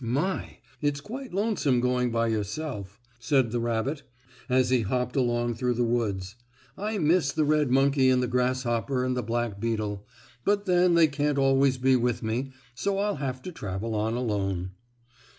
"My! It's quite lonesome going by yourself," said the rabbit, as he hopped along through the woods. "I miss the red monkey and the grasshopper and the black beetle. But then they can't always be with me, so I'll have to travel on alone."